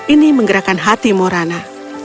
ini menggerakkan hati morana